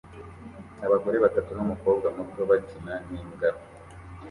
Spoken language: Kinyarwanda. Abagore batatu numukobwa muto bakina nimbwa nto